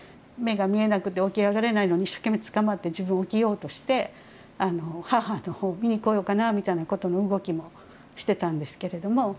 目が見えなくて起き上がれないのに一生懸命つかまって自分起きようとして母の方を見に来ようかなみたいなことも動きもしてたんですけれども。